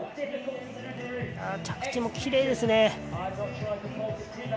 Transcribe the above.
着地もきれいですね。